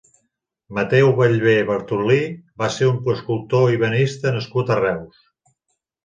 Mateu Bellver Bartolí va ser un escultor i ebenista nascut a Reus.